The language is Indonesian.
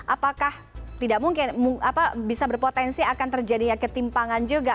apakah tidak mungkin bisa berpotensi akan terjadinya ketimpangan juga